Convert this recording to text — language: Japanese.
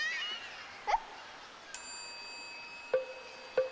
えっ？